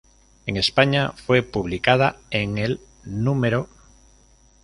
En España, fue publicada en el núm.